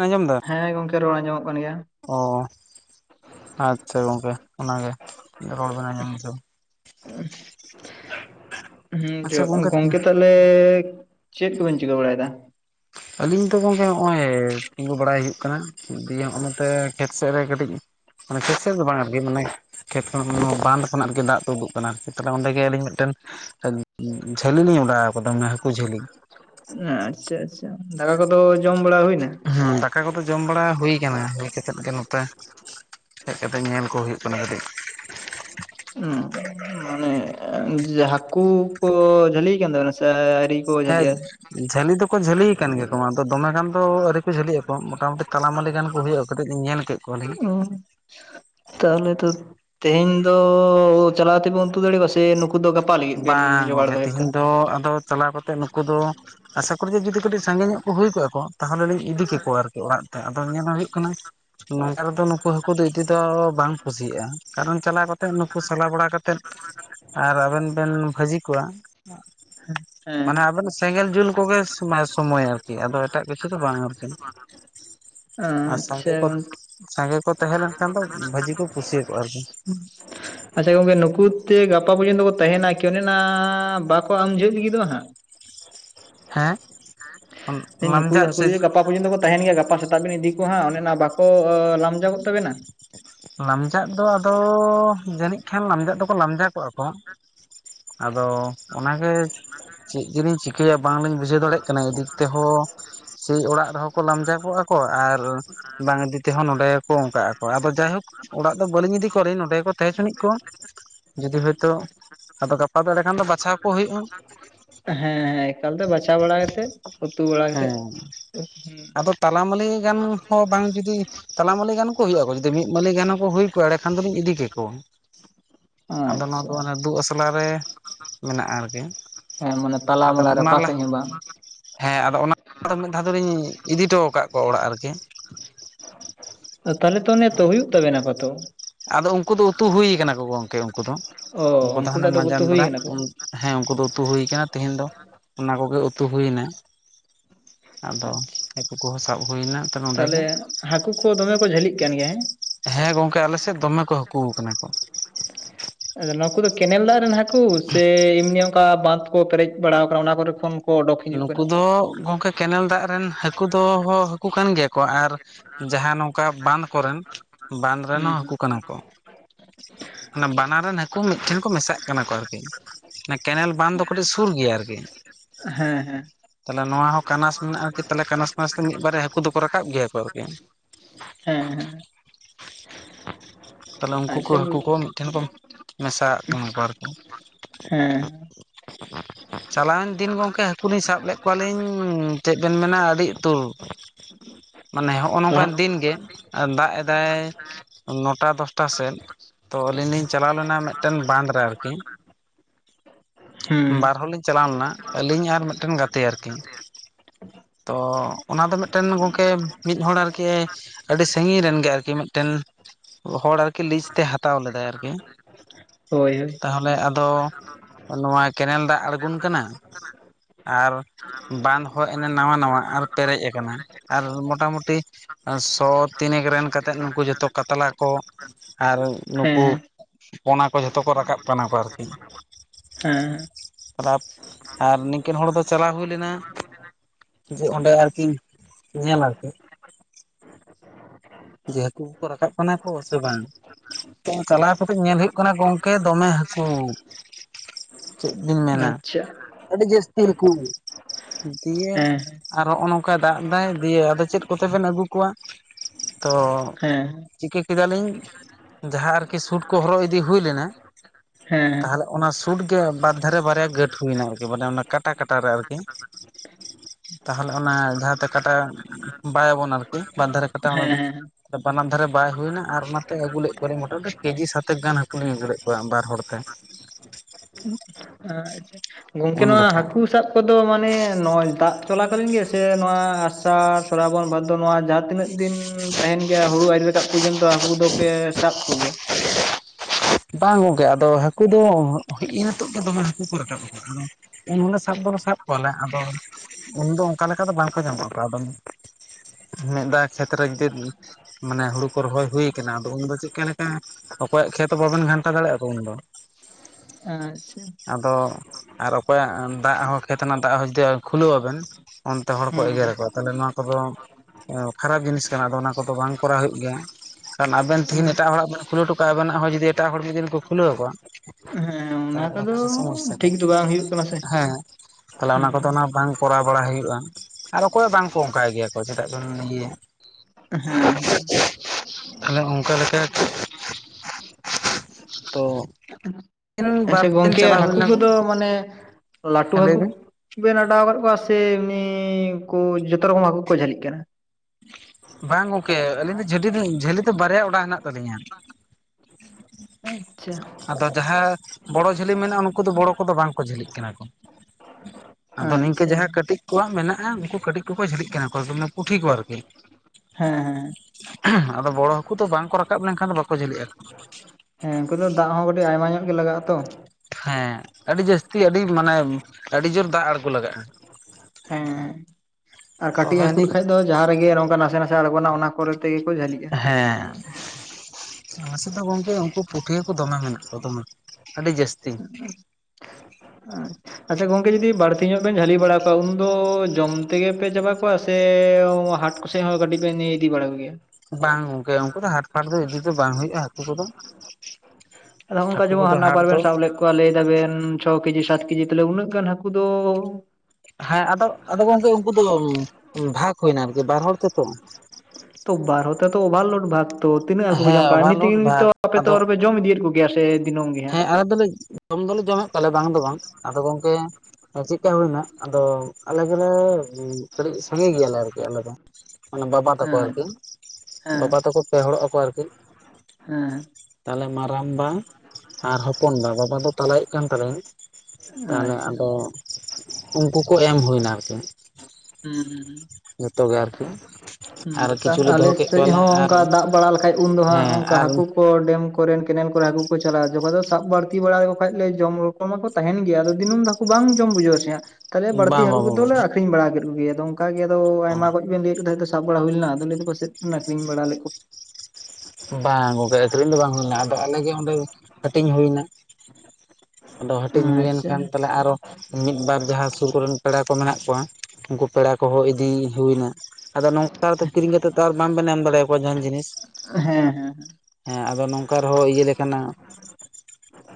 ᱟᱸᱡᱚᱢ ᱫᱟ ᱦᱮᱸ ᱜᱚᱝᱠᱮ ᱨᱚᱲ ᱟᱸᱡᱚᱢᱚᱜ ᱠᱟᱱ ᱜᱮᱭᱟ ᱚ ᱟᱪᱪᱷᱟ ᱜᱚᱝᱠᱮ ᱚᱱᱟᱜᱮ ᱨᱚᱲ ᱵᱮᱱ ᱟᱸᱡᱚᱢᱫᱟ‌ ᱥᱮ ᱵᱟᱝ ᱦᱩᱸ ᱡᱳ ᱜᱚᱝᱠᱮ ᱛᱟᱦᱞᱮ ᱪᱮᱫ ᱠᱚᱵᱮᱱ ᱪᱤᱠᱟᱹ ᱵᱟᱲᱟᱭᱮᱫᱟ ᱟᱹᱞᱤᱧ ᱫᱚ ᱜᱚᱝᱠᱮ ᱦᱚᱸᱜᱼᱚᱭ ᱛᱤᱸᱜᱩ ᱵᱟᱲᱟᱭ ᱦᱩᱭᱩᱜ ᱠᱟᱱᱟ ᱫᱤᱭᱮ ᱦᱚᱸᱜᱼᱚᱭ ᱱᱚᱛᱮ ᱠᱷᱮᱛ ᱥᱮᱫ ᱨᱮ ᱠᱟᱹᱴᱤᱡ ᱢᱟᱱᱮ ᱠᱷᱮᱛ ᱥᱮᱫ ᱫᱚ ᱵᱟᱝ ᱟᱨ ᱠᱤ ᱢᱟᱱᱮ ᱠᱷᱮᱛ ᱠᱷᱱ ᱫᱚ ᱵᱟᱸᱫ ᱠᱷᱚᱱᱟᱜ ᱟᱨᱠᱤ ᱫᱟᱜ ᱛᱩᱫᱩᱜ ᱠᱟᱱᱟ ᱟᱨ ᱛᱟᱦᱮ ᱚᱸᱰᱮᱜᱮ ᱟᱹᱞᱤᱧ ᱢᱤᱫᱴᱮᱱ ᱡᱷᱟᱹᱞᱤ ᱞᱤᱧ ᱚᱰᱟᱣ ᱟᱠᱟᱫᱟ ᱢᱟᱱᱮ ᱦᱟᱠᱩ ᱡᱷᱟᱹᱞᱤ ᱟᱪᱪᱷᱟ ᱟᱪᱪᱷᱟ ᱫᱟᱠᱟ ᱠᱚᱫᱚ ᱡᱚᱢ ᱵᱟᱲᱟ ᱦᱩᱭᱮᱱᱟ ᱦᱮᱸ ᱫᱟᱠᱟ ᱠᱚᱫᱚ ᱡᱚᱢ ᱵᱟᱲᱟ ᱦᱩᱭ ᱠᱟᱱᱟ, ᱦᱩᱭ ᱠᱟᱛᱮᱫ ᱜᱮ ᱱᱚᱛᱮ ᱦᱮᱡ ᱠᱟᱛᱮ ᱧᱮᱞ ᱠᱚ ᱦᱩᱭᱩᱜ ᱠᱟᱱᱟ ᱠᱟᱹᱴᱤᱡ ᱩᱸ ᱢᱟᱱᱮ ᱦᱟᱠᱩ ᱠᱚ ᱡᱷᱟᱹᱞᱤᱭ ᱠᱟᱱ ᱛᱟᱵᱮᱱᱟ ᱥᱮ ᱟᱹᱣᱨᱤ ᱠᱚ ᱦᱮᱡᱽ ᱡᱷᱟᱹᱞᱤᱜᱼᱟ? ᱡᱷᱟᱹᱞᱤ ᱫᱚᱠᱚ ᱡᱷᱟᱹᱞᱤ ᱭᱟᱠᱟᱱ ᱜᱮᱭᱟ ᱠᱚ ᱟᱫᱚ ᱫᱚᱢᱮ ᱜᱟᱱ ᱫᱚ ᱟᱹᱣᱨᱤ ᱠᱚ ᱡᱷᱟᱹᱞᱤᱜ ᱟᱠᱚ ᱢᱚᱴᱟᱢᱩᱴᱤ ᱛᱟᱞᱟ ᱢᱟᱞᱤ ᱜᱟᱱ ᱠᱚ ᱦᱩᱭᱩᱜᱼᱟ ᱠᱟᱹᱴᱤᱡ ᱞᱤᱧ ᱧᱮᱞ ᱠᱮᱫ ᱠᱚᱣᱟᱞᱤᱧ ᱩᱸ ᱛᱟᱦᱞᱮ ᱛᱚ ᱛᱮᱦᱮᱧ ᱫᱚ ᱪᱟᱞᱟᱣ ᱛᱮᱵᱚᱱ ᱩᱛᱩ ᱫᱟᱲᱮᱣᱟᱠᱚᱣᱟ ᱥᱮ ᱱᱩᱠᱩ ᱫᱚ ᱜᱟᱯᱟ ᱞᱟᱹᱜᱤᱫ ᱵᱮᱱ ᱵᱟᱝ ᱡᱚᱜᱟᱲ ᱜᱚᱝᱠᱮ ᱫᱚᱦᱚᱭᱮᱫ ᱠᱚᱣᱟ? ᱛᱤᱦᱤᱧ ᱫᱚ ᱟᱫᱚ ᱪᱟᱞᱟᱣ ᱠᱟᱛᱮᱜ ᱩᱱᱠᱩ ᱫᱚ ᱟᱥᱟ ᱠᱚᱨᱤ ᱡᱩᱫᱤ ᱠᱟᱹᱴᱤᱡ ᱥᱟᱸᱜᱮ ᱧᱚᱜ ᱠᱚ ᱦᱩᱭ ᱠᱚᱜᱼᱟ ᱠᱚ ᱛᱟᱦᱞᱮ ᱞᱤᱧ ᱤᱫᱤ ᱠᱮᱠᱚᱣᱟ ᱟᱨᱠᱤ ᱚᱲᱟᱜ ᱛᱮ ᱟᱫᱚ ᱧᱮᱞ ᱦᱚᱸ ᱦᱩᱭᱩᱜ ᱠᱟᱱᱟ ᱱᱚᱝᱠᱟ ᱨᱮᱫᱚ ᱱᱩᱠᱩ ᱦᱟᱟᱹᱠᱩ ᱫᱚ ᱤᱫᱤ ᱫᱚ ᱵᱟᱝ ᱠᱩᱥᱤᱭᱟᱜᱼᱟ ᱠᱟᱨᱚᱱ ᱪᱟᱞᱟᱣ ᱠᱟᱛᱮᱜ ᱱᱩᱠᱩ ᱥᱟᱞᱟ ᱵᱟᱲᱟ ᱠᱟᱛᱮᱜ ᱟᱨ ᱟᱵᱮᱱ ᱵᱮᱱ ᱵᱷᱟᱹᱡᱤ ᱠᱚᱣᱟ ᱦᱮᱸ ᱢᱟᱱᱮ ᱟᱵᱮᱱ ᱥᱮᱸᱜᱮᱞ ᱡᱩᱞ ᱠᱚᱜᱮ ᱥᱚᱢᱚᱭ ᱟᱨᱠᱤ ᱟᱫᱚ ᱮᱴᱟᱜ ᱠᱤᱪᱷᱩ ᱫᱚ ᱵᱟᱝ ᱟᱨᱠᱤ ᱟᱨ ᱥᱟᱸᱜᱮ ᱟᱪᱪᱷᱟ ᱠᱚ ᱜᱚᱝᱠᱮ ᱥᱟᱸᱜᱮ ᱠᱚ ᱛᱟᱦᱮᱸ ᱞᱮᱱᱠᱷᱟᱱ ᱫᱚ ᱵᱷᱟᱹᱡᱤ ᱠᱚ ᱠᱩᱥᱤᱭᱟᱠᱚᱜᱼᱟ ᱟᱨᱠᱤ ᱦᱩᱸ ᱟᱪᱪᱷᱟ ᱜᱚᱝᱠᱮ ᱱᱩᱠᱩᱛᱮ ᱜᱟᱯᱟ ᱯᱚᱨᱡᱚᱱᱛᱚ ᱠᱚ ᱛᱟᱦᱮᱱᱟ ᱠᱤ ᱚᱱᱮ ᱚᱱᱟ ᱵᱟᱠᱚ ᱟᱢᱡᱷᱟᱹᱜ ᱞᱟᱹᱜᱤᱫᱚᱜᱼᱟ ᱦᱟᱸᱜ ᱦᱮᱸ ᱛᱮᱦᱤᱧ ᱱᱩᱠᱩ ᱞᱟᱢᱡᱟᱜ ᱦᱟᱹᱠᱩ ᱥᱮ ᱜᱟᱯᱟ ᱯᱚᱨᱡᱚᱱᱚ ᱠᱚ ᱛᱟᱦᱮᱱ ᱜᱮᱭᱟ ᱜᱟᱯᱟ ᱥᱮᱛᱟᱜ ᱵᱮᱱ ᱤᱫᱤ ᱠᱚᱣᱟ ᱦᱟᱸᱜ ᱚᱱᱮ ᱚᱱᱟ ᱵᱟᱠᱚ ᱞᱟᱢᱡᱟᱜᱚᱜ ᱛᱟᱵᱮᱱᱟ ᱞᱟᱢᱡᱟᱜ ᱫᱚ ᱟᱫᱚ ᱡᱟᱹᱱᱤᱡ ᱠᱷᱟᱱ ᱞᱟᱢᱡᱟᱜ ᱫᱚᱠᱚ ᱞᱟᱢᱡᱟ ᱠᱚᱜᱼᱟ ᱠᱚ ᱟᱫᱚ ᱚᱱᱟᱜᱮ ᱪᱮᱫ ᱡᱮᱞᱤᱧ ᱪᱤᱠᱟᱹᱭᱟ ᱵᱟᱝᱞᱤᱧ ᱵᱩᱡᱷᱟᱹᱣ ᱫᱟᱲᱮᱭᱟᱜ ᱠᱟᱱᱟ ᱤᱫᱤᱠ ᱛᱮᱦᱚᱸ ᱥᱮ ᱚᱲᱟᱜ ᱨᱮᱦᱚᱸ ᱠᱚ ᱞᱟᱢᱡᱟᱜᱚᱜ-ᱟ ᱠᱚ ᱟᱨ ᱵᱟᱝ ᱤᱫᱤ ᱛᱮᱦᱚᱸ ᱱᱚᱸᱰᱮ ᱜᱮ ᱠᱚ ᱚᱝᱠᱟᱜ-ᱟ ᱠᱚ ᱟᱫᱚ ᱡᱟᱭᱦᱳᱠ ᱚᱲᱟᱜ ᱫᱚ ᱵᱟᱹᱞᱤᱧ ᱤᱫᱤ ᱠᱚᱣᱟ ᱨᱤᱧ ᱱᱚᱸᱰᱮ ᱜᱮᱠᱚ ᱛᱟᱦᱮᱸ ᱦᱚᱪᱚᱱᱤᱡ ᱠᱚ ᱡᱩᱫᱤ ᱦᱳᱭᱛᱳ ᱟᱫᱚ ᱜᱟᱯᱟ ᱫᱚ ᱮᱱᱰᱮᱠᱷᱟᱱ ᱫᱚ ᱵᱟᱪᱷᱟᱣ ᱠᱚ ᱦᱩᱭᱩᱜᱼᱟ ᱦᱮᱸ, ᱮᱠᱟᱞᱛᱮ ᱵᱟᱪᱷᱟᱣ ᱵᱟᱲᱟ ᱠᱟᱛᱮᱫ ᱩᱛᱩ ᱵᱟᱲᱟ ᱦᱮᱸ ᱠᱟᱛᱮᱫ ᱟᱫᱚ ᱛᱟᱞᱟᱢᱟᱞᱤ ᱜᱟᱱ ᱦᱚᱸ ᱵᱟᱝ ᱡᱩᱫᱤ ᱛᱟᱞᱟᱢᱟᱞᱤ ᱜᱟᱱ ᱠᱚ ᱦᱩᱭᱩᱜᱼᱟ ᱠᱚ ᱡᱩᱫᱤ ᱢᱤᱫ ᱢᱟᱹᱞᱤ ᱜᱟᱱᱚ ᱠᱚ ᱦᱩᱭ ᱠᱚᱜ ᱮᱸᱰᱮ ᱠᱷᱟᱱ ᱫᱚᱞᱤᱧ ᱤᱫᱤ ᱠᱮᱠᱚᱣᱟ ᱟᱫᱚ ᱱᱚᱣᱟ ᱟᱪᱪᱷᱟ ᱫᱚ ᱚᱱᱮ ᱫᱩ ᱟᱥᱞᱟᱨ ᱨᱮ ᱢᱮᱱᱟᱜᱼᱟ ᱟᱨᱠᱤ ᱦᱮᱸ ᱢᱟᱱᱮ ᱛᱟᱞᱟ ᱟᱫᱚ ᱢᱟᱞᱟ ᱨᱮ ᱚᱠᱟ ᱚᱱᱟ ᱥᱮᱫ ᱦᱚᱸ ᱵᱟᱝ ᱦᱮᱸ ᱟᱫᱚ ᱚᱱᱟᱫᱚ ᱢᱤᱫ ᱫᱷᱟᱣ ᱫᱚᱞᱤᱧ ᱤᱫᱤ ᱦᱚᱴᱚ ᱟᱠᱟᱫ ᱠᱚᱣᱟ ᱚᱲᱟᱜ ᱨᱮᱜᱮ ᱛᱟᱦᱚᱞᱮ ᱛᱚ ᱚᱱᱮ ᱛᱚ ᱦᱩᱭᱩᱜ ᱛᱟᱵᱮᱱᱟ ᱟᱠᱚᱛᱚ ᱟᱫᱚ ᱩᱱᱠᱩ ᱫᱚ ᱩᱛᱩ ᱦᱩᱭ ᱠᱟᱱᱟ ᱠᱚ ᱜᱚᱜᱠᱮ ᱩᱱᱠᱩ ᱫᱚ ᱚ ᱩᱱᱠᱩ ᱫᱚ ᱦᱟᱱᱮ ᱩᱱᱠᱩᱴᱟᱜ ᱩᱛᱩ ᱢᱟᱸᱡᱟᱱ ᱦᱩᱭ ᱵᱮᱲᱟ ᱠᱟᱱᱟ ᱠᱚ ᱦᱮᱸ ᱩᱱᱠᱩ ᱫᱚ ᱩᱛᱩ ᱦᱩᱭ ᱟᱠᱟᱱᱟ ᱛᱮᱤᱦᱮᱧ ᱫᱚ ᱚᱱᱟ ᱠᱚᱜᱮ ᱩᱛᱩ ᱦᱩᱭᱱᱟ ᱟᱫᱚ ᱟᱪᱪᱷᱟ ᱦᱟᱹᱠᱩ ᱠᱚᱦᱚᱸ ᱥᱟᱵ ᱦᱩᱭᱱᱟ ᱛᱚ ᱱᱚᱸᱰᱮ ᱛᱟᱦᱚᱞᱮ ᱜᱮ ᱦᱟᱹᱠᱩ ᱠᱚ ᱫᱚᱢᱮ ᱠᱚ ᱡᱷᱟᱹᱞᱤᱜ ᱠᱟᱱ ᱜᱮᱭᱟ ᱦᱮᱸ ᱦᱮᱸ ᱜᱚᱝᱠᱮ ᱟᱞᱮᱥᱮᱫ ᱫᱚᱢᱮ ᱠᱚ ᱦᱟᱹᱠᱩ ᱠᱟᱱᱟ ᱠᱚ ᱱᱩᱠᱩ ᱫᱚ ᱠᱮᱱᱮᱞ ᱫᱟᱜ ᱨᱮᱱ ᱦᱟᱹᱠᱩ ᱥᱮ ᱮᱢᱱᱮ ᱚᱱᱠᱟ ᱵᱟᱸᱫᱷ ᱠᱚ ᱯᱮᱨᱮᱡ ᱵᱟᱲᱟ ᱟᱠᱟᱱᱟ ᱚᱱᱟ ᱠᱚᱨᱮ ᱠᱷᱚᱱ ᱠᱚ ᱚᱰᱚᱠ ᱦᱤᱡᱩᱜ ᱱᱩᱠᱩ ᱠᱟᱱᱟ ᱫᱚ ᱜᱚᱝᱠᱮ ᱠᱮᱱᱮᱞ ᱫᱟᱜ ᱨᱮᱱ ᱦᱟᱹᱠᱩ ᱫᱚ ᱦᱚ ᱦᱟᱹᱠᱩ ᱠᱟᱱ ᱜᱮᱭᱟ ᱠᱚ ᱟᱨ ᱡᱟᱦᱟᱸ ᱱᱚᱝᱠᱟ ᱵᱟᱸᱫᱷ ᱠᱚᱨᱮᱱ ᱵᱟᱸᱫᱷ ᱨᱮᱱ ᱦᱩᱸ ᱦᱚᱸ ᱦᱩᱸ ᱦᱟᱹᱠᱩ ᱠᱟᱱᱟ ᱠᱚ ᱚᱱᱟ ᱵᱟᱱᱟᱨ ᱨᱮᱱ ᱦᱟᱹᱠᱩ ᱢᱤᱫᱴᱷᱮᱱ ᱠᱚ ᱢᱮᱥᱟᱜ ᱠᱟᱱᱟ ᱠᱚ ᱟᱨᱠᱤ ᱚᱱᱟ ᱠᱮᱱᱮᱞ ᱵᱟᱸᱫᱽ ᱫᱚ ᱠᱟᱹᱴᱤᱡ ᱥᱩᱨ ᱜᱮᱭᱟ ᱟᱨᱠᱤ ᱦᱮᱸ ᱦᱮᱸ ᱛᱟᱦᱞᱮ ᱱᱚᱶᱟ ᱦᱚᱸ ᱠᱟᱱᱟᱥ ᱢᱮᱱᱟᱜᱼᱟᱠᱤ ᱛᱟᱦᱮ ᱠᱟᱱᱟᱥ ᱠᱟᱱᱟᱥ ᱛᱮ ᱢᱤᱫᱵᱟᱨ ᱦᱟᱹᱠᱩ ᱫᱚᱠᱚ ᱨᱟᱠᱟᱵ ᱜᱮᱭᱟ ᱠᱚ ᱟᱨᱠᱤ ᱦᱮᱸ ᱦᱮᱸ ᱛᱟᱦᱞᱮ ᱩᱱᱠᱩ ᱠᱚ ᱟᱪᱪᱷᱟ ᱦᱟᱹᱠᱩ ᱠᱚ ᱢᱤᱫ ᱴᱮᱱ ᱠᱚ ᱢᱮᱥᱟᱜ ᱠᱟᱱᱟ ᱠᱚ ᱟᱨ ᱠᱤ ᱦᱮᱸ ᱪᱟᱞᱟᱣᱮᱱ ᱫᱤᱱ ᱜᱚᱝ ᱠᱮ ᱦᱟᱹᱠᱩ ᱞᱤᱧ ᱥᱟᱵ ᱞᱮᱫ ᱠᱚᱣᱟᱞᱤᱧ ᱪᱮᱫ ᱵᱮᱱ ᱢᱮᱱᱟ ᱟᱹᱰᱤ ᱩᱛᱟᱹᱨ᱾ ᱢᱟᱱᱮ ᱦᱚᱜᱼᱚᱭ ᱞᱟᱦᱟ ᱱᱚᱝᱠᱟᱱ ᱫᱤᱱ ᱜᱮ ᱫᱟᱜ ᱮᱫᱟᱭ ᱱᱚᱴᱟ ᱫᱚᱥᱴᱟ ᱥᱮᱫ ᱛᱚ ᱟᱹᱞᱤᱧ ᱞᱤᱧ ᱪᱟᱞᱟᱣ ᱞᱮᱱᱟ ᱢᱤᱫ ᱴᱮᱱ ᱵᱟᱸᱫᱽ ᱨᱮ ᱟᱨᱠᱤ ᱦᱮᱸ ᱵᱟᱨ ᱦᱚᱲ ᱞᱤᱧ ᱪᱟᱞᱟᱣ ᱞᱮᱱᱟ ᱟᱹᱞᱤᱧ ᱟᱨ ᱢᱤᱫᱴᱮᱱ ᱜᱟᱛᱮ ᱟᱨᱠᱤ ᱛᱚ ᱚᱱᱟ ᱫᱚ ᱢᱤᱫ ᱴᱮᱱ ᱜᱚᱝᱠᱮ ᱢᱤᱫ ᱦᱚᱲ ᱟᱨᱠᱤ ᱟᱹᱰᱤ ᱥᱟᱺᱜᱤᱧ ᱨᱮᱱ ᱜᱮ ᱟᱨᱠᱤ ᱢᱤᱫ ᱴᱮᱱ ᱦᱚᱲ ᱟᱨᱠᱤ ᱞᱤᱡ ᱛᱮ ᱦᱟᱛᱟᱣ ᱞᱮᱫᱟᱭ ᱟᱨᱠᱤ ᱦᱳᱭ ᱦᱳᱭ ᱛᱟᱦᱚᱞᱮ ᱟᱫᱚ ᱱᱚᱣᱟ ᱠᱮᱱᱮᱞ ᱫᱟᱜ ᱟᱬᱜᱩᱱ ᱠᱟᱱᱟ ᱟᱨ ᱵᱟᱸᱫᱽ ᱦᱚ ᱮᱱᱮ ᱱᱟᱶᱟ ᱱᱟᱶᱟ ᱟᱨ ᱯᱮᱨᱮᱡ ᱟᱠᱟᱱᱟ ᱟᱨ ᱢᱚᱴᱟᱢᱩᱴᱤ ᱥᱚ ᱛᱤᱱᱮᱠ ᱨᱮᱱ ᱠᱟᱛᱮᱫ ᱱᱩᱠᱩ ᱡᱚᱛᱚ ᱠᱟᱛᱞᱟ ᱠᱚ ᱟᱨ ᱱᱩᱠᱩ ᱦᱮᱸ ᱯᱚᱱᱟ ᱠᱚ ᱡᱷᱚᱛᱚ ᱠᱚ ᱨᱟᱠᱟᱵ ᱠᱟᱱᱟ ᱠᱚ ᱟᱨᱠᱤ ᱦᱮᱸ ᱨᱟᱛ ᱟᱨ ᱱᱤᱝᱠᱟᱹᱱ ᱦᱚᱲ ᱫᱚ ᱪᱟᱞᱟᱣ ᱦᱩᱭ ᱞᱮᱱᱟ ᱡᱮ ᱚᱸᱰᱮ ᱟᱨᱠᱤ ᱧᱮᱞ ᱟᱨᱠᱤ ᱡᱮ ᱦᱟᱹᱠᱩ ᱠᱚᱠᱚ ᱨᱟᱠᱟᱵ ᱠᱟᱱᱟ ᱠᱚ ᱥᱮ ᱵᱟᱝ? ᱪᱟᱞᱟᱣ ᱠᱟᱛᱮᱜ ᱧᱮᱞ ᱦᱩᱭᱩᱜ ᱠᱟᱱᱟ ᱜᱚᱝᱠᱮ ᱫᱚᱢᱮ ᱦᱟᱹᱠᱩ ᱪᱮᱫ ᱵᱤᱱ ᱦᱮᱸ ᱢᱮᱱᱟ ᱟᱪᱪᱷᱟ ᱟᱹᱰᱤ ᱡᱟᱹᱥᱛᱤ ᱨᱮᱠᱩ ᱫᱤᱭᱮ ᱦᱮᱸ ᱦᱮᱸ ᱟᱨ ᱦᱚᱜᱼᱚᱭ ᱱᱚᱝᱠᱟᱭ ᱫᱟᱜ ᱫᱟᱭ ᱫᱤᱭᱮ ᱟᱫᱚ ᱪᱮᱫ ᱠᱚᱛᱮ ᱵᱮᱱ ᱟᱹᱜᱩ ᱠᱚᱣᱟ? ᱛᱚ ᱦᱮᱸ ᱪᱤᱠᱟᱹ ᱠᱮᱫᱟᱞᱤᱧ ᱡᱟᱦᱟᱸ ᱟᱨᱠᱤ ᱥᱩᱴ ᱠᱚ ᱦᱚᱨᱚᱜ ᱤᱫᱤ ᱦᱩᱭ ᱞᱮᱱᱟ ᱦᱮᱸ ᱛᱟᱦᱚᱞᱮ ᱚᱱᱟ ᱥᱩᱴ ᱜᱮ ᱵᱟᱫᱽᱫᱷᱟᱨᱮ ᱵᱟᱨᱭᱟ ᱜᱟᱺᱴ ᱦᱩᱭᱱᱟ ᱟᱨᱠᱤ ᱢᱟᱱᱮ ᱚᱱᱟ ᱠᱟᱴᱟ ᱠᱟᱴᱟ ᱨᱮ ᱟᱨᱠᱤ ᱛᱟᱦᱚᱞᱮ ᱚᱱᱟ ᱡᱟᱦᱟᱛᱮ ᱠᱟᱴᱟ ᱵᱟᱭᱟᱵᱚᱱ ᱟᱨᱠᱤ ᱵᱟᱨ ᱫᱷᱟᱨᱮ ᱠᱟᱴᱟᱢᱟᱵ ᱦᱮᱸ ᱵᱟᱱᱟᱨ ᱫᱷᱟᱨᱮ ᱵᱟᱭ ᱦᱩᱭᱱᱟ ᱟᱨ ᱚᱱᱟᱛᱮ ᱟᱹᱜᱩ ᱞᱮᱫ ᱠᱚᱣᱟᱞᱤᱧ ᱢᱚᱴᱟᱢᱩᱴᱤ ᱠᱮᱡᱤ ᱥᱟᱛᱮᱠ ᱜᱟᱱ ᱦᱟᱹᱠᱩᱞᱤᱧ ᱟᱹᱜᱩ ᱞᱮᱫ ᱠᱚᱣᱟ ᱵᱟᱨ ᱦᱚᱲ ᱛᱮ ᱟᱪᱷᱟ ᱜᱚᱝᱠᱮ ᱩᱱ ᱱᱚᱶᱟ ᱡᱚᱠᱷᱚᱱ ᱦᱟᱹᱠᱩ ᱦᱟᱹᱠᱩ ᱥᱟᱵ ᱠᱚᱫᱚ ᱢᱟᱱᱮ ᱱᱚᱜᱚᱭ ᱫᱟᱜ ᱪᱚᱞᱟᱠᱟᱞᱤᱱ ᱜᱮ ᱥᱮ ᱱᱚᱣᱟ ᱟᱥᱟᱲ ᱥᱚᱨᱟᱵᱚᱱ ᱵᱟᱫᱽᱫᱷᱚ ᱱᱚᱣᱟ ᱡᱟᱦᱟᱸ ᱛᱤᱱᱟᱹᱜ ᱫᱤᱱ ᱛᱟᱦᱮᱱ ᱜᱮᱭᱟ ᱦᱩᱲᱩ ᱟᱹᱨᱩ ᱨᱟᱠᱟᱵ ᱯᱚᱨᱡᱚᱱᱛᱚ ᱦᱟᱹᱠᱩ ᱫᱚᱯᱮ ᱥᱟᱵ ᱠᱚᱜᱮᱭᱟ ᱵᱟᱝ ᱜᱚᱝᱠᱮ ᱟᱫᱚ ᱦᱟᱹᱠᱩ ᱫᱚ ᱤᱭᱟᱹ ᱱᱤᱛᱚᱜ ᱫᱚ ᱫᱚᱢᱮ ᱦᱟᱹᱠᱩ ᱠᱚ ᱨᱟᱠᱟᱵ ᱟᱠᱚ ᱟᱫᱚ ᱩᱱᱦᱚᱞᱮ ᱥᱟᱵ ᱫᱚᱞᱮ ᱥᱟᱵ ᱠᱚᱣᱟᱞᱮ ᱟᱫᱚ ᱩᱱᱫᱚ ᱚᱱᱠᱟ ᱞᱮᱠᱟ ᱫᱚ ᱵᱟᱝᱠᱚ ᱧᱟᱢᱚᱜ-ᱟ ᱚᱠᱟᱫᱚᱢ ᱢᱮᱫ ᱫᱟᱜ ᱠᱷᱮᱛ ᱨᱮ ᱡᱩᱫᱤ ᱢᱟᱱᱮ ᱦᱩᱲᱩ ᱠᱚ ᱨᱚᱦᱚᱭ ᱦᱩᱭᱠᱟᱱᱟ ᱟᱫᱚ ᱩᱱᱫᱚ ᱪᱮᱫᱠᱟ ᱞᱮᱠᱟ ᱚᱠᱚᱭᱟᱜ ᱠᱷᱮᱛ ᱚ ᱵᱟᱵᱮᱱ ᱜᱷᱟᱱᱴᱟ ᱫᱟᱲᱮᱭᱟᱜᱼᱟ ᱩᱱ ᱫᱚ ᱟᱡ ᱟᱫᱚ ᱟᱨ ᱚᱠᱚᱭᱟᱜ ᱫᱟᱜ ᱦᱚᱸ ᱠᱷᱮᱛ ᱨᱮᱱᱟᱜ ᱫᱟᱜ ᱦᱚᱸ ᱡᱮ ᱠᱷᱩᱞᱟᱹᱣ ᱟᱵᱮᱱ ᱚᱱᱛᱮ ᱦᱚᱲ ᱠᱚ ᱦᱮᱸ ᱮᱜᱮᱨᱟᱠᱚ ᱛᱟᱦᱞᱮ ᱱᱚᱣᱟ ᱠᱚᱫᱚ ᱠᱷᱟᱨᱟᱯ ᱡᱤᱱᱤᱥ ᱠᱟᱱᱟ ᱟᱫᱚ ᱚᱱᱟ ᱠᱚᱫᱚ ᱵᱟᱝ ᱠᱚᱨᱟᱣ ᱦᱩᱭᱩᱜ ᱜᱮᱭᱟ ᱠᱷᱟᱱ ᱟᱵᱮᱱ ᱛᱤᱦᱤᱧ ᱮᱴᱟᱜ ᱦᱚᱲᱟᱜ ᱵᱮᱱ ᱠᱷᱩᱞᱟᱹᱣ ᱴᱚᱠᱟᱜᱼᱟ ᱟᱵᱮᱱᱟᱜ ᱦᱚᱸ ᱡᱩᱫᱤ ᱮᱴᱟᱜ ᱦᱚᱲ ᱢᱤᱫ ᱫᱤᱱ ᱠᱚ ᱠᱷᱩᱞᱟᱹᱣ ᱠᱚᱣᱟ ᱦᱮᱸ ᱚᱱᱟ ᱠᱚᱫᱚ ᱛᱟᱦᱞᱮ ᱥᱚᱢᱚᱥᱥᱟ ᱠᱚ ᱴᱷᱤᱠ ᱫᱚ ᱵᱟᱝ ᱦᱩᱭᱩᱜ ᱠᱟᱱᱟ ᱥᱮ ᱦᱮᱸ ᱛᱟᱦᱚᱞᱮ ᱚᱱᱟ ᱦᱮᱸ ᱠᱚᱫᱚ ᱚᱱᱟ ᱵᱟᱝ ᱠᱚᱨᱟᱣ ᱵᱟᱲᱟ ᱦᱩᱭᱩᱜᱼᱟ ᱟᱨ ᱚᱠᱚᱭ ᱵᱟᱝᱠᱚ ᱚᱱᱠᱟᱭ ᱜᱮᱭᱟ ᱠᱚ ᱪᱮᱫᱟᱜ ᱵᱮᱱ ᱤᱭᱟᱹ ᱦᱮᱸ ᱦᱮᱸ [inaudible] ᱛᱟᱦᱚᱞᱮ ᱚᱱᱠᱟ ᱞᱮᱠᱟ ᱛᱚ ᱤᱱ ᱵᱟᱨ ᱫᱤᱱ [unintelligible] ᱪᱟᱞᱟᱣ ᱦᱩᱭ ᱦᱟᱹᱠᱩ ᱞᱮᱱᱟ ᱠᱚᱫᱚ ᱢᱟᱱᱮ ᱞᱟᱹᱴᱩ ᱞᱟᱹᱭ ᱦᱟᱹᱠᱩ ᱵᱤᱱ [unintelligible] ᱚᱰᱟᱣ ᱠᱟᱫ ᱠᱚᱣᱟ ᱥᱮ ᱮᱢᱱᱤ ᱠᱚ ᱡᱚᱛᱚ ᱨᱚᱠᱚᱢ ᱦᱟᱹᱠᱩ ᱠᱚ ᱡᱷᱟᱹᱞᱤᱜ ᱠᱟᱱᱟ ᱵᱟᱝ ᱜᱚᱝᱠᱮ ᱟᱹᱞᱤᱧ ᱫᱚ ᱡᱷᱟᱹᱞᱤ ᱫᱚ ᱡᱷᱟᱹᱞᱤ ᱫᱚ ᱵᱟᱨᱭᱟ ᱚᱰᱟᱣ ᱦᱮᱱᱟᱜ ᱛᱟᱹᱟᱞᱤᱧᱟ ᱟᱪᱪᱷᱟ ᱟᱫᱚ ᱡᱟᱦᱟᱸ ᱵᱚᱲᱚ ᱡᱷᱟᱹᱞᱤ ᱢᱮᱱᱟᱜᱼᱟ ᱩᱱᱠᱩ ᱫᱚ ᱵᱚᱲᱚ ᱠᱚᱫᱚ ᱵᱟᱝᱠᱚ ᱡᱷᱟᱹᱞᱤᱜ ᱠᱟᱱᱟ ᱠᱚ ᱟᱫᱚ ᱱᱤᱝᱠᱟᱹ ᱟᱪᱪᱷᱟ ᱡᱟᱦᱟᱸ ᱠᱟᱹᱴᱤᱡ ᱠᱚᱣᱟᱜ ᱢᱮᱱᱟᱜᱼᱟ ᱩᱱᱠᱩ ᱠᱟᱹᱴᱤᱡ ᱠᱚᱠᱚ ᱡᱷᱟᱞᱤᱜ ᱠᱟᱱᱟ ᱠᱚ ᱯᱩᱴᱷᱤ ᱠᱚ ᱟᱨᱠᱤ ᱦᱮᱸ ᱦᱮᱸ [unintelligible] ᱟᱫᱚ ᱵᱚᱲᱚ ᱦᱟᱹᱠᱩ ᱫᱚ ᱵᱟᱝᱠᱚ ᱨᱟᱠᱟᱵ ᱞᱮᱱᱠᱷᱟᱱ ᱫᱚ ᱵᱟᱠᱚ ᱡᱷᱟᱹᱞᱤᱜᱼᱟ ᱦᱮᱸ ᱩᱱᱠᱩ ᱫᱚ ᱫᱟᱜ ᱦᱚᱸ ᱠᱟᱹᱴᱤᱡ ᱟᱭᱢᱟ ᱧᱚᱜ ᱜᱮ ᱞᱟᱜᱟᱜᱼᱟ ᱛᱚ ᱦᱮᱸ ᱟᱹᱰᱤ ᱡᱟᱹᱥᱛᱤ ᱟᱹᱰᱤ ᱢᱟᱱᱮ ᱟᱹᱰᱤ ᱡᱳᱨ ᱫᱟᱜ ᱟᱬᱜᱳ ᱞᱟᱜᱟᱜᱼᱟ ᱦᱮᱸ ᱟᱨ ᱠᱟᱹᱴᱤᱡ ᱛᱚᱵᱮ ᱦᱟᱹᱠᱩ ᱟᱹᱱᱤᱡ ᱞᱮᱠᱷᱟᱱ ᱫᱚ ᱡᱟᱦᱟᱸ ᱨᱮᱜᱮ ᱱᱚᱝᱠᱟ ᱱᱟᱥᱮ ᱱᱟᱥᱮ ᱟᱬᱜᱳᱱᱟ ᱚᱱᱟ ᱠᱚᱨᱮ ᱛᱮᱜᱮ ᱠᱚ ᱡᱷᱟᱹᱞᱤᱜᱼᱟ ᱦᱮᱸ [inaudible] ᱟᱞᱮ ᱥᱮᱫ ᱫᱚ ᱜᱚᱝᱠᱮ ᱩᱱᱠᱩ ᱯᱩᱴᱷᱤ ᱦᱟᱹᱠᱩ ᱫᱚᱢᱮ ᱢᱮᱱᱟᱜ ᱠᱚᱣᱟ ᱫᱚᱢᱮ ᱟᱹᱰᱤ ᱡᱟᱹᱥᱛᱤ [inaudible] ᱟᱪᱪᱷᱟ ᱜᱚᱝᱠᱮ ᱡᱩᱫᱤ ᱵᱟᱹᱲᱛᱤ ᱧᱚᱜ ᱵᱮᱱ ᱡᱷᱟᱹᱞᱤ ᱵᱟᱲᱟ ᱠᱚᱣᱟ ᱩᱱᱫᱚ ᱡᱚᱢ ᱛᱮᱜᱮ ᱯᱮ ᱪᱟᱵᱟ ᱠᱚᱣᱟ ᱥᱮ ᱦᱟᱴ ᱠᱚᱥᱮᱫ ᱦᱚᱸ ᱠᱟᱹᱴᱤᱡ ᱵᱮᱱ ᱤᱫᱤ ᱵᱟᱲᱟ ᱠᱚ ᱜᱮᱭᱟ ᱵᱟᱝ ᱜᱚᱝᱠᱮ ᱩᱱᱠᱩ ᱫᱚ ᱦᱟᱴᱯᱷᱟᱴ ᱫᱚ ᱤᱫᱤ ᱫᱚ ᱵᱟᱝ ᱦᱩᱭᱩᱜᱼᱟ ᱦᱟᱹᱠᱩ ᱠᱚᱫᱚ ᱟᱫᱚ ᱦᱚᱝᱠᱟ ᱦᱟᱹᱠᱩ ᱡᱮᱢᱚᱱ ᱠᱚᱫᱚ ᱦᱟᱱᱟ ᱦᱟᱴ ᱵᱟᱨ ᱫᱚ ᱵᱮᱱ ᱥᱟᱵ ᱞᱮᱫ ᱠᱚᱣᱟ [unintelligible] ᱞᱟᱹᱭ ᱫᱟᱵᱮᱱ ᱪᱷᱚ ᱠᱮᱡᱤ ᱥᱟᱛ ᱠᱮᱡᱤ ᱛᱟᱦᱟᱞᱮ ᱩᱱᱟᱹᱜ ᱜᱟᱱ ᱦᱟᱹᱠᱩ ᱫᱚ ᱦᱮᱸ ᱟᱫᱚ ᱟᱫᱚ ᱜᱚᱝᱠᱮ ᱩᱱᱠᱩ ᱫᱚ ᱵᱷᱟᱜᱽ ᱦᱩᱭᱱᱟ ᱟᱨᱠᱤ ᱵᱟᱨ ᱦᱚᱲ ᱛᱮᱛᱚ ᱛᱚ ᱵᱟᱨ ᱦᱚᱲ ᱛᱮ ᱛᱚ ᱚᱵᱷᱟᱨᱞᱳᱰ ᱵᱷᱟᱜ ᱛᱚ ᱛᱤᱱᱟᱹᱜ ᱦᱟᱹᱠᱩ ᱯᱮ ᱦᱮᱸ ᱡᱚᱢ ᱠᱚᱣᱟ ᱮᱢᱱᱤ ᱛᱮ ᱳᱵᱷᱟᱨᱞᱳᱰ ᱵᱷᱟᱜᱽ ᱛᱚ ᱟᱯᱮ ᱛᱚ ᱟᱫᱚ ᱟᱨ ᱡᱚᱢ ᱮᱫᱤᱭᱮᱫ ᱠᱚ ᱜᱮᱭᱟ ᱥᱮ ᱫᱤᱱᱟᱹᱢ ᱜᱮ ᱦᱮᱸ ᱟᱞᱮ ᱫᱚᱞᱮ ᱡᱚᱢ ᱫᱚᱞᱮ ᱡᱚᱢᱮᱫ ᱠᱚᱣᱟ ᱞᱮ ᱵᱟᱝ ᱫᱚ ᱵᱟᱝ ᱟᱫᱚ ᱜᱚᱝᱠᱮ [unintelligible] ᱪᱮᱫᱮᱠᱟ ᱦᱩᱭᱱᱟ ᱟᱫᱚ ᱟᱞᱮ ᱫᱚᱞᱮ ᱠᱟᱹᱴᱤᱡ ᱥᱟᱸᱜᱮ ᱜᱮᱭᱟᱞᱮ ᱟᱨᱠᱤ ᱟᱞᱮ ᱫᱚ ᱢᱟᱱᱮ ᱵᱟᱵᱟ ᱛᱟᱠᱚ ᱦᱟᱸᱜ? ᱟᱨᱠᱤ ᱟᱪᱪᱷᱟ ᱵᱟᱵᱟ ᱛᱟᱠᱚ ᱯᱮ ᱦᱚᱲᱚᱜ ᱟᱠᱚ ᱟᱨᱠᱤ ᱦᱩᱸ ᱛᱟᱦᱚᱞᱮ ᱢᱟᱨᱟᱝᱵᱟ ᱟᱨ ᱦᱚᱯᱚᱱᱵᱟ ᱵᱟᱵᱟ ᱫᱚ ᱛᱟᱞᱟᱭᱤᱫ ᱠᱟᱱ ᱛᱟᱞᱮᱭᱫ ᱦᱮᱸ ᱛᱟᱦᱚᱞᱮ ᱟᱪᱪᱷᱟ ᱟᱫᱚ ᱩᱱᱠᱩ ᱠᱚ ᱮᱢ ᱦᱩᱭᱱᱟ ᱟᱨᱠᱤ ᱦᱩᱸ ᱦᱩᱸ ᱦᱩᱸ ᱡᱚᱛᱚ ᱜᱮ ᱟᱨᱠᱤ ᱟᱨ ᱦᱮᱸ ᱫᱚᱠᱟᱱ ᱠᱤᱪᱷᱩ ᱞᱮ ᱫᱚᱦᱚ ᱟᱞᱮ ᱠᱮᱫ ᱥᱮᱫ ᱠᱚᱣᱟᱞᱮ ᱦᱚᱸ ᱟᱨ ᱚᱱᱠᱟ ᱫᱟᱜ ᱵᱟᱲᱟ ᱞᱮᱠᱷᱟᱡ ᱩᱱ ᱫᱚ ᱦᱟᱸᱜ ᱦᱮᱸ ᱚᱱᱠᱟ ᱟᱨ ᱦᱟᱹᱠᱩ ᱠᱚ ᱰᱮᱢ ᱠᱚᱨᱮᱱ ᱠᱮᱱᱮᱞ ᱠᱚᱨᱮ ᱦᱟᱹᱠᱩ ᱠᱚ ᱪᱟᱞᱟᱜᱼᱟ ᱡᱚᱠᱷᱚᱱ ᱫᱚ ᱥᱟᱵ ᱵᱟᱹᱲᱛᱤ ᱵᱟᱲᱟᱠᱚ ᱠᱷᱟᱡ ᱞᱮ ᱡᱚᱢ [unintelligible] ᱛᱟᱦᱮᱱ ᱜᱮᱭᱟ ᱟᱫᱚ ᱫᱤᱱᱟᱹᱢ ᱫᱚ ᱦᱟᱹᱠᱩ ᱵᱟᱝ ᱡᱚᱢ ᱵᱩᱡᱷᱟᱹᱣᱟᱪᱮ ᱛᱟᱦᱚᱞᱮ ᱵᱟᱹᱲᱛᱤ ᱵᱟᱝ ᱦᱟᱹᱠᱩ ᱵᱟᱝ ᱠᱚ ᱵᱟᱝ ᱫᱚᱞᱮ ᱟᱠᱷ ᱟᱠᱠᱷᱨᱤᱧ ᱵᱟᱲᱟ ᱠᱮᱫ ᱠᱚᱜᱮᱭᱟ ᱟᱫᱚ ᱚᱱᱠᱟ ᱜᱮ ᱟᱫᱚ ᱚ ᱟᱭᱢᱟ ᱠᱷᱚᱡ ᱵᱮᱱ ᱞᱟᱹᱭ ᱠᱮᱫᱟ ᱥᱟᱵ ᱵᱟᱲᱟ ᱦᱩᱭ ᱞᱮᱱᱟ ᱟᱫᱚ [unintelligible] ᱞᱟᱹᱭ ᱫᱚ ᱯᱟᱥᱮᱫ ᱟᱠᱷᱨᱤᱧ ᱵᱟᱲᱟ ᱞᱮᱫ ᱠᱚ ᱵᱟᱝ ᱜᱚᱝᱠᱮ ᱟᱹᱠᱷᱨᱤᱧ ᱫᱚ ᱵᱟᱝ ᱦᱩᱭ ᱞᱮᱱᱟ ᱟᱫᱚ ᱟᱞᱮ ᱜᱮ ᱚᱸᱰᱮ ᱦᱟᱹᱴᱤᱧ ᱦᱩᱭᱱᱟ ᱟᱫᱚ ᱦᱟᱹᱴᱤᱧ ᱦᱩᱭᱮᱱ ᱟᱪᱪᱷᱟ ᱠᱷᱟᱱ ᱛᱟᱦᱚᱞᱮ ᱟᱨᱚ ᱢᱤᱫ ᱵᱟᱨ ᱡᱟᱦᱟᱸ ᱥᱩᱨ ᱠᱚᱨᱮᱱ ᱯᱮᱲᱟ ᱠᱚ ᱢᱮᱱᱟᱜ ᱠᱚᱣᱟ ᱩᱱᱠᱩ ᱯᱮᱲᱟ ᱠᱚᱦᱚᱸ ᱤᱫᱤ ᱦᱩᱭ ᱱᱟ ᱟᱫᱚ ᱱᱚᱝᱠᱟ ᱠᱤᱨᱤᱧ ᱠᱟᱛᱮ ᱛᱚ ᱟᱨ ᱵᱟᱝ ᱵᱮᱱ ᱮᱢ ᱫᱟᱲᱮᱭᱟ ᱠᱚᱣᱟ ᱡᱟᱦᱟᱱ ᱡᱤᱱᱤᱥ ᱦᱮᱸ ᱦᱮᱸ ᱦᱮᱸ ᱟᱫᱚ ᱱᱚᱝᱠᱟ ᱨᱮᱦᱚᱸ ᱤᱭᱟᱹ ᱞᱮᱠᱷᱟᱱᱟ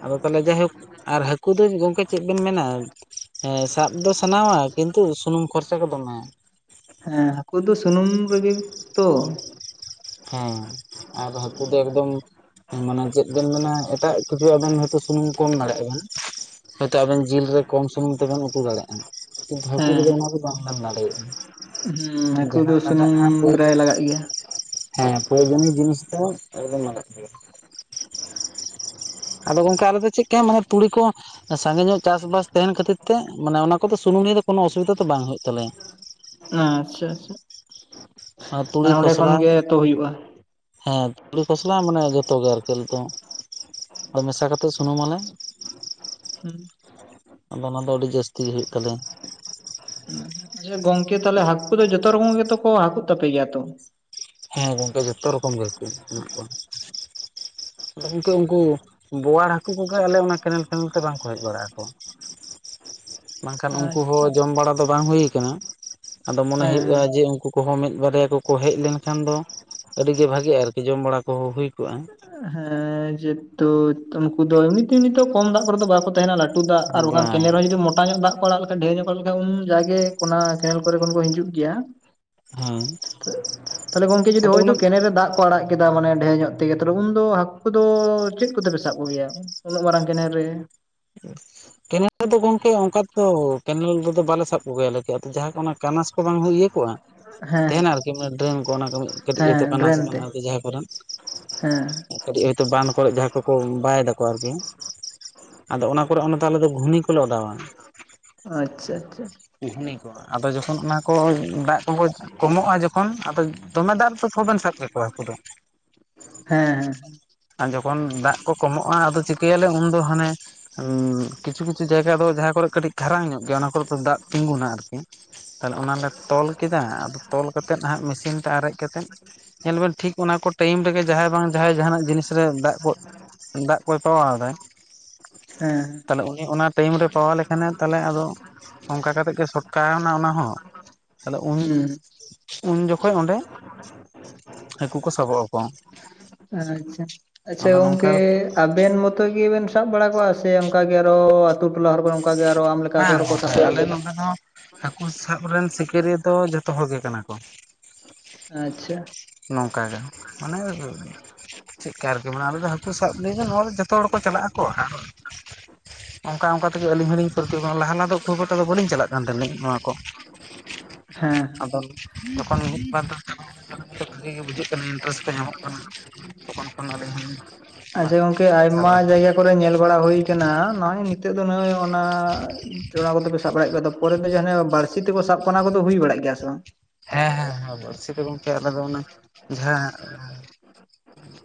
ᱟᱫᱚ ᱛᱟᱦᱚᱞᱮ ᱡᱟᱭᱦᱳᱠ ᱟᱨ ᱦᱟᱟᱹᱠᱩ ᱫᱚ ᱜᱚᱝᱠᱮ ᱪᱮᱫ ᱵᱤᱱ ᱢᱮᱱᱟ ᱦᱮᱸ ᱥᱟᱵ ᱫᱚ ᱥᱟᱱᱟᱣᱟ ᱠᱤᱱᱛᱩ ᱥᱩᱱᱩᱢ ᱠᱷᱚᱨᱪᱟ ᱜᱮ ᱫᱚᱢᱮ ᱦᱮᱸ ᱦᱟᱹᱠᱩ ᱫᱚ ᱥᱩᱱᱩᱢ ᱨᱮᱜᱮ ᱛᱚ ᱦᱮᱸ ᱟᱨᱚ ᱦᱟᱹᱠᱩ ᱫᱚ ᱮᱠᱫᱚᱢ ᱢᱟᱱᱮ ᱪᱮᱫ ᱵᱮᱱ ᱢᱮᱱᱟ ᱮᱴᱟᱜ ᱠᱤᱪᱷᱩ ᱟᱵᱮᱱ ᱦᱚᱭᱛᱚ ᱥᱩᱱᱩᱢ ᱠᱚᱢ ᱫᱟᱲᱮᱭᱟᱜ ᱟᱵᱮᱱ ᱦᱳᱭᱛᱚ ᱟᱵᱮᱱ ᱡᱤᱞ ᱨᱮ ᱠᱚᱢ ᱥᱩᱱᱩᱢ ᱛᱮᱵᱮᱱ ᱩᱛᱩ ᱫᱟᱲᱮᱭᱟᱜᱼᱟ ᱵᱷᱟᱹᱠᱩ ᱦᱮᱸ ᱨᱮᱜᱮ ᱚᱱᱟ ᱫᱚ ᱵᱟᱢ ᱮᱢᱫᱟᱲᱮᱜ-ᱟ ᱡᱟᱦᱟᱸ ᱞᱟᱜ-ᱟ ᱠᱟᱜ ᱜᱮᱭᱟ ᱦᱮᱸ [unintelligible] ᱡᱤᱱᱤᱥ ᱫᱚ ᱟᱹᱞᱟᱹ ᱢᱟᱞᱟᱜ ᱜᱮᱭᱟ [inaudible] ᱟᱫᱚ ᱜᱚᱝᱠᱮ ᱟᱞᱮ ᱫᱚ ᱪᱮᱫ ᱞᱮᱠᱟ ᱢᱟᱱᱮ ᱛᱩᱲᱤ ᱠᱚ ᱥᱟᱸᱜᱮ ᱧᱚᱜ ᱪᱟᱥᱵᱟᱥ ᱛᱟᱦᱮᱱ ᱠᱷᱟᱹᱛᱤᱨ ᱛᱮ ᱢᱟᱱᱮ ᱚᱱᱟ ᱠᱚ ᱥᱩᱱᱩᱢ ᱱᱤᱭᱟᱹ ᱫᱚ ᱠᱳᱱᱳ ᱚᱥᱩᱵᱤᱫᱷᱟ ᱫᱚ ᱵᱟᱝ ᱦᱩᱭᱩᱜ ᱛᱟᱞᱮᱭᱟ ᱟᱪᱪᱷᱟ ᱟᱪᱪᱷᱟ ᱛᱩᱲᱤ ᱢᱟᱱᱮ ᱚᱸᱰᱮ ᱠᱷᱚᱱ ᱠᱷᱚᱥᱞᱟ ᱜᱮ ᱩᱛᱩ ᱦᱩᱭᱩᱜ-ᱟ ᱦᱮᱸ ᱛᱩᱲᱤ ᱠᱷᱚᱥᱞᱟ ᱢᱟᱱᱮ ᱡᱚᱛᱚ ᱜᱮ ᱟᱨᱠᱤ ᱫᱚ ᱢᱮᱥᱟ ᱠᱟᱛᱮᱫ ᱥᱩᱱᱩᱢᱟᱞᱮ ᱦᱩᱸ ᱟᱫᱚ ᱚᱱᱟ ᱫᱚ ᱟᱹᱰᱤ ᱡᱟᱹᱥᱛᱤ ᱜᱮ ᱦᱩᱭᱩᱜ ᱛᱟᱞᱮᱭᱟ ᱟᱪᱪᱷᱟ ᱜᱚᱝᱠᱮ ᱛᱟᱦᱚᱞᱮ ᱦᱟᱹᱠᱩ ᱫᱚ ᱡᱚᱛᱚ ᱨᱚᱠᱚᱢ ᱜᱮᱛᱚ ᱠᱚ ᱦᱟᱠᱩᱜ ᱛᱟᱯᱮ ᱜᱮᱭᱟ ᱛᱚ ᱦᱮᱸ ᱜᱚᱝᱠᱮ ᱡᱚᱛᱚ ᱨᱚᱠᱚᱢ ᱜᱮᱠᱩ ᱦᱩᱭᱩᱜ-ᱟ [unintelligible] ᱟᱫᱚ ᱜᱚᱢᱠᱮ ᱩᱱᱠᱩ ᱵᱳᱣᱟᱲ ᱦᱟᱠᱩ ᱠᱚᱜᱮ ᱟᱞᱮ ᱚᱱᱟ ᱠᱮᱱᱮᱞ ᱠᱮᱱᱮᱞ ᱛᱮ ᱵᱟᱝᱠᱩ ᱦᱮᱡ ᱵᱟᱲᱟᱜ ᱟᱠᱩ [unintelligible] ᱵᱟᱝᱠᱷᱟᱱ ᱩᱱᱠᱩ ᱟᱪᱪᱷᱟ ᱦᱚᱸ ᱡᱚᱢ ᱵᱟᱲᱟ ᱫᱚ ᱵᱟᱝ ᱦᱩᱭ ᱠᱟᱱᱟ ᱟᱫᱚ ᱢᱚᱱᱮ ᱦᱮᱸ ᱦᱩᱭᱩᱜ-ᱟ ᱡᱮ ᱩᱱᱠᱩ ᱠᱚᱦᱚᱸ ᱢᱤᱫ ᱵᱟᱨᱭᱟ ᱠᱩᱠᱩ ᱦᱮᱡ ᱞᱮᱱ ᱠᱷᱟᱱ ᱫᱚ ᱟᱹᱰᱤ ᱜᱮ ᱵᱷᱟᱜᱤ-ᱟ ᱟᱨᱠᱤ ᱡᱚᱢ ᱵᱟᱲᱟ ᱠᱚᱦᱚᱸ ᱦᱩᱭ ᱠᱚᱜ-ᱟ, ᱦᱮᱸ ᱡᱮᱦᱮᱛᱩ ᱩᱱᱠᱩ ᱫᱚ ᱮᱢᱱᱤᱛᱮ ᱱᱤᱛᱚᱜ ᱠᱚᱢ ᱫᱟᱜ ᱠᱚᱨᱮ ᱫᱚ ᱵᱟᱠᱩ ᱛᱟᱦᱮᱱᱟ ᱞᱟᱹᱴ ᱟᱹᱛᱩ ᱫᱟᱜ ᱟᱨ ᱵᱟᱝᱠᱷᱟᱱ ᱵᱟᱝ ᱠᱮᱱᱮᱞ ᱨᱮ ᱡᱩᱫᱤ ᱢᱚᱴᱟ ᱧᱚᱜ ᱫᱟᱜ ᱚᱲᱟᱜ ᱞᱮᱠᱷᱟᱡ ᱰᱷᱮᱨ ᱧᱚᱜ ᱠᱚ ᱦᱮᱡ ᱞᱮᱠᱷᱟᱱ ᱩᱢ ᱡᱟᱜᱮ ᱚᱱᱟ ᱠᱮᱱᱮᱞ ᱠᱚᱨᱮ ᱠᱷᱚᱱ ᱠᱚ ᱦᱤᱡᱩᱜ ᱜᱮᱭᱟ ᱦᱮᱸ ᱛᱟᱦᱚᱞᱮ ᱜᱚᱝᱠᱮ ᱡᱩᱫᱤ ᱟᱫᱚ ᱦᱳᱭᱛᱳ ᱚᱱᱟ ᱠᱮᱱᱮᱞ ᱨᱮ ᱫᱟᱜ ᱠᱚ ᱟᱲᱟᱜ ᱠᱮᱫᱟ ᱢᱟᱱᱮ ᱰᱷᱮᱨ ᱧᱚᱜ ᱛᱮᱜᱮ ᱵᱩᱱ ᱫᱚ ᱦᱟᱠᱩ ᱫᱚ ᱪᱮᱫ ᱠᱚᱛᱮ ᱯᱮ ᱥᱟᱵ ᱠᱚ ᱜᱮᱭᱟ ᱩᱱᱟᱹᱜ ᱢᱟᱨᱟᱝ ᱠᱮᱱᱮᱞ ᱨᱮ? [inaudible] ᱠᱮᱱᱮᱞ ᱨᱮᱫᱚ ᱜᱚᱝᱠᱮ ᱚᱱᱠᱟ ᱛᱮᱫᱚ ᱠᱮᱱᱮᱞ ᱨᱮᱫᱚ ᱜᱚᱝᱠᱮ ᱚᱝᱠᱟ ᱫᱚ ᱠᱮᱱᱤᱝ ᱨᱮᱫᱚ ᱵᱟᱞᱮ ᱥᱟᱵ ᱠᱚᱜᱮᱭᱟ ᱡᱟᱦᱟᱸ ᱠᱚ ᱚᱱᱟ ᱠᱟᱱᱟᱥ ᱠᱚ ᱵᱟᱝ ᱦᱚᱸ ᱤᱭᱟᱹ ᱠᱚᱜ-ᱟ ᱦᱮᱸ ᱛᱮᱦᱮᱱᱟ ᱟᱨᱠᱤ ᱚᱱᱮ ᱰᱨᱮᱱ ᱠᱚ ᱚᱱᱟ ᱠᱚ ᱠᱟᱹᱴᱤᱡᱚ ᱦᱮᱸ ᱠᱟᱱᱟ ᱥᱮ ᱰᱨᱮᱱ ᱠᱟᱱᱟ ᱛᱮ ᱟᱨᱠᱤ ᱡᱟᱦᱟᱸ ᱠᱚᱨᱮᱱ ᱦᱮᱸ ᱠᱟᱹᱴᱤᱡ ᱦᱚᱭᱛᱳ ᱵᱟᱱ ᱠᱚᱨᱮ ᱡᱟᱦᱟᱸ ᱠᱚᱠᱚ ᱵᱟᱭ ᱫᱟᱠᱚ ᱟᱨᱠᱤ ᱟᱫᱚ ᱚᱱᱟ ᱠᱚᱨᱮ ᱚᱱᱟᱛᱮ ᱟᱞᱮ ᱫᱚ ᱜᱷᱩᱱᱤ ᱠᱚᱞᱮ ᱚᱰᱟᱣᱟᱹ ᱟᱪᱪᱷᱟ ᱟᱪᱪᱷᱟ ᱠᱩᱦᱱᱤ ᱠᱚ ᱟᱫᱚ ᱡᱚᱠᱷᱚᱱ ᱚᱱᱟ ᱠᱚ ᱫᱟᱜ ᱠᱚᱠᱚ ᱠᱚᱢᱚᱜ-ᱟ ᱡᱚᱠᱷᱚᱱ ᱟᱫᱚ ᱫᱚᱢᱮ ᱫᱟᱜ ᱫᱚ ᱛᱚᱵᱮᱱ ᱥᱟᱵ ᱠᱚᱣᱟ ᱦᱟᱠᱩ ᱫᱚ ᱦᱮᱸ ᱦᱮᱸ ᱟᱨ ᱡᱚᱠᱷᱚᱱ ᱫᱟᱜ ᱠᱚ ᱠᱚᱢᱚᱜ-ᱟ ᱟᱫᱚ ᱪᱤᱠᱟᱹᱭᱟᱞᱮ ᱩᱱᱫᱚ ᱦᱟᱱᱮ ᱩᱸ ᱠᱤᱪᱷᱩ ᱠᱤᱪᱷᱩ ᱡᱟᱭᱜᱟ ᱫᱚ ᱡᱟᱦᱟᱸ ᱠᱚᱨᱮ ᱠᱟᱹᱴᱤᱡ ᱠᱷᱟᱨᱟᱝ ᱧᱚᱜ ᱜᱮᱭᱟ ᱚᱱᱟ ᱠᱚᱨᱮ ᱫᱚ ᱫᱟᱜ ᱛᱤᱸᱜᱩᱱᱟ ᱟᱨᱠᱤ ᱛᱟᱦᱞᱮ ᱚᱱᱟᱞᱮ ᱛᱚᱞ ᱠᱮᱫᱟ ᱟᱫᱚ ᱛᱚᱞ ᱠᱟᱛᱮᱫ ᱦᱟᱸᱜ ᱢᱮᱥᱤᱱ ᱛᱮ ᱟᱨᱮᱡ ᱠᱟᱛᱮᱫ ᱧᱮᱞ ᱵᱮᱱ ᱴᱷᱤᱠ ᱚᱱᱟ ᱠᱚ ᱴᱟᱭᱤᱢ ᱨᱮᱜᱮ ᱡᱟᱦᱟᱸᱭ ᱵᱟᱝ ᱡᱟᱦᱟᱸᱭ ᱡᱟᱦᱟᱱᱟᱜ ᱡᱤᱱᱤᱥ ᱨᱮ ᱫᱟᱜ ᱠᱚ ᱫᱟᱜ ᱠᱚᱭ ᱛᱚᱣᱟᱣ ᱫᱟ ᱦᱮᱸ ᱛᱟᱦᱞᱮ ᱩᱱᱤ ᱚᱱᱟ ᱴᱟᱭᱤᱢ ᱨᱮ ᱯᱚᱣᱟ ᱞᱮᱠᱷᱟᱱᱮ ᱛᱟᱦᱞᱮ ᱟᱫᱚ ᱚᱝᱠᱟ ᱠᱟᱛᱮ ᱜᱮ ᱥᱚᱴᱠᱟᱣ ᱱᱟ ᱚᱱᱟ ᱦᱚᱸ ᱟᱫᱚ ᱩᱱ ᱦᱩᱸ ᱩᱱ ᱡᱚᱠᱷᱮᱡ ᱚᱸᱰᱮ ᱦᱟᱹᱠᱩ ᱠᱚ ᱥᱟᱵᱚᱜ ᱟᱠᱚ ᱟᱪᱪᱷᱟ ᱟᱫᱚ [inaudible] ᱱᱚᱝᱠᱟ ᱜᱚᱝᱠᱮ ᱟᱵᱮᱱ ᱢᱚᱛᱚ ᱜᱮᱵᱤᱱ ᱥᱟᱵ ᱵᱟᱲᱟ ᱠᱚᱣᱟ ᱥᱮ ᱚᱱᱠᱟ ᱜᱮ ᱟᱨᱚ ᱟᱛᱩ ᱴᱚᱞᱟ ᱦᱚᱲ ᱚᱱᱠᱟ ᱜᱮ ᱟᱨᱚ ᱟᱢ ᱞᱮᱠᱟ ᱠᱚ ᱟᱨᱚᱠᱚ ᱥᱟᱵ ᱵᱟᱲᱟ ᱜᱤ ᱦᱟᱠᱩ ᱥᱟᱵ ᱨᱮᱱ ᱥᱤᱠᱟᱹᱨᱤᱭᱟᱹ ᱫᱚ ᱡᱚᱛᱚ ᱦᱚᱲ ᱜᱮ ᱠᱟᱱᱟᱹ ᱠᱚ ᱟᱪᱪᱷᱟ ᱱᱚᱝᱠᱟ ᱜᱮ ᱢᱟᱱᱮ ᱟᱞᱮ ᱫᱚ ᱦᱟᱹᱠᱩ ᱥᱟᱵ ᱫᱤᱱ ᱦᱚᱲ ᱡᱚᱛᱚ ᱦᱚᱲ ᱠᱚ ᱪᱟᱞᱟᱜ ᱟᱠᱚ ᱚᱱᱠᱟ ᱚᱱᱠᱟ ᱛᱮᱜᱮ ᱟᱹᱞᱤᱧ ᱦᱚᱸᱞᱤᱧ ᱯᱟᱹᱨᱠᱟᱹᱣ ᱜᱚᱫ ᱞᱟᱞᱟ ᱫᱚ ᱦᱟᱹᱠᱩ ᱠᱟᱴᱟ ᱫᱚ ᱵᱟᱹᱞᱤᱧ ᱪᱟᱞᱟᱠᱟᱱ ᱛᱟᱦᱮᱱᱞᱤᱧ ᱱᱚᱣᱟ ᱠᱚ ᱦᱮᱸ ᱦᱮᱸ ᱟᱫᱚ ᱡᱚᱠᱷᱚᱱ ᱢᱤᱫ [unintelligible] ᱵᱷᱟᱜᱤ ᱜᱮ ᱵᱩᱡᱷᱟᱹᱜ ᱠᱟᱱᱟ ᱤᱱᱴᱟᱨᱮᱥᱴ ᱠᱚ ᱧᱟᱢᱚᱜ ᱠᱟᱱᱟ ᱛᱚᱠᱷᱚᱱ ᱠᱷᱚᱱ ᱟᱹᱞᱤᱧ ᱦᱚᱸᱞᱤᱧ ᱵᱟ ᱟᱪᱪᱷᱟ ᱜᱚᱝᱠᱮ ᱟᱭᱢᱟ ᱪᱟᱞᱟᱣ ᱡᱟᱭᱜᱟ ᱠᱚᱨᱮ ᱧᱮᱞ ᱵᱟᱲᱟ ᱦᱩᱭᱠᱟᱱᱟ ᱱᱚᱜ-ᱚᱭ ᱱᱤᱛᱚᱜ ᱫᱚ ᱱᱚᱜ ᱦᱟᱸ ᱡᱚᱲᱟ ᱠᱚᱛᱮ ᱯᱮ ᱥᱟᱵ ᱵᱟᱲᱟᱭᱮᱫ ᱠᱚᱣᱟ ᱯᱚᱨᱮ ᱫᱚ ᱡᱟᱦᱟᱸ ᱵᱟᱲᱥᱤ ᱛᱮᱠᱚ ᱥᱟᱵ ᱠᱚ ᱚᱱᱟ ᱠᱚᱫᱚ ᱦᱩᱭ ᱵᱟᱲᱟᱜ ᱜᱮᱭᱟ ᱥᱮ ᱵᱟᱝ ᱦᱮᱸ ᱦᱮᱸ ᱵᱟᱬᱥᱤ ᱫᱚ ᱜᱚᱢᱠᱮ ᱟᱞᱮ ᱫᱚ ᱚᱱᱟ ᱡᱟᱦᱟᱸ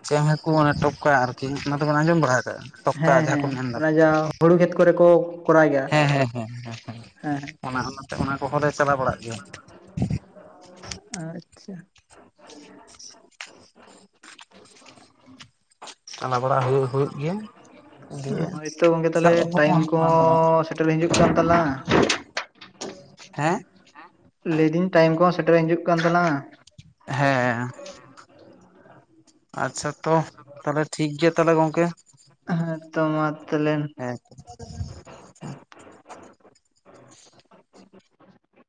ᱪᱮ ᱦᱟᱹᱠᱩ ᱚᱱᱮ ᱴᱚᱯᱠᱟ ᱟᱨᱠᱤ ᱚᱱᱟ ᱫᱚᱵᱚᱱ ᱟᱸᱡᱚᱢ ᱵᱟᱲᱟ ᱠᱟᱜᱼᱟ ᱴᱚᱠᱠᱟ ᱦᱮᱸ ᱡᱟᱦᱟᱸ ᱦᱮᱸ ᱠᱚ ᱚᱱᱟ ᱢᱮᱱᱫᱟᱠᱚ ᱡᱟᱦᱟᱸ ᱦᱩᱲᱩ ᱠᱷᱮᱛ ᱠᱚᱨᱮ ᱠᱚ ᱠᱚᱨᱟᱣ ᱜᱮᱭᱟ ᱦᱮᱸ ᱦᱮᱸ ᱦᱮᱸ ᱦᱮᱸ [unintelligible] ᱚᱱᱟ ᱦᱚᱸ ᱱᱚᱛᱮ ᱚᱱᱟ ᱠᱚᱦᱚᱸ ᱞᱮ ᱪᱟᱞᱟᱣ ᱵᱟᱲᱟᱜ ᱜᱮᱭᱟ ᱟᱪᱪᱷᱟ ᱪᱟᱞᱟᱣ ᱵᱟᱲᱟ ᱦᱩᱭᱩᱜ ᱦᱩᱭᱩᱜ ᱜᱮᱭᱟ ᱫᱤᱭᱮ ᱦᱳᱭᱛᱚ ᱜᱚᱝᱠᱮ ᱛᱟᱦᱚᱞᱮ ᱥᱟᱵ ᱟᱹᱜᱩ ᱠᱚ ᱴᱟᱭᱤᱢ ᱦᱩᱭᱩᱜ ᱵᱟᱝ ᱫᱚ ᱵᱟᱝ ᱠᱚᱦᱚᱸ ᱥᱮᱴᱮᱨ ᱦᱤᱡᱩᱜ ᱠᱟᱱ ᱛᱟᱞᱟᱝ ᱟ ᱦᱮᱸ ᱞᱟᱹᱭ ᱫᱟᱹᱧ ᱴᱟᱭᱤᱢ ᱠᱚᱦᱚᱸ ᱥᱮᱴᱮᱨ ᱦᱤᱡᱩᱜ ᱠᱟᱱ ᱛᱟᱞᱟᱝ ᱟ ᱦᱮᱸ ᱟᱪᱪᱷᱟ ᱛᱚ ᱛᱟᱦᱚᱞᱮ ᱴᱷᱤᱠᱜᱮᱭᱟ ᱛᱟᱦᱞᱮ ᱜᱚᱝᱠᱮ ᱦᱮ ᱛᱚ ᱢᱟ ᱛᱟᱞᱮ ᱾ [unintelligible]